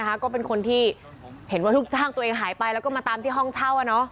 ให้คุณหนังก็เป็นคนที่เห็นว่าทุกช่างตัวเองหายไปแล้วก็มาตามทั้งที่ห้องเช่า